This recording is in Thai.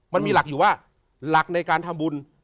มันมีหลักอยู่ว่าหลักในการทำบุญ